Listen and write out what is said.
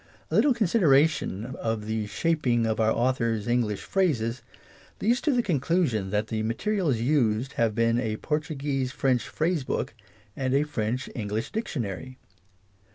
A little consideration of the shaping of our author's English phrases leads to the conclu sion that the materials used have been a Portu guese French phrase book and a French Eng lish dictionary.